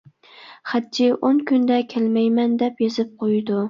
خەتچى «ئون كۈندە كەلمەيمەن» دەپ يېزىپ قويىدۇ.